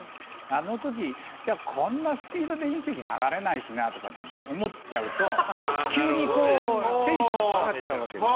あの時、こんなスピードで隕石流れないしなとか思っちゃうと、急にテンション下がっちゃうわけです。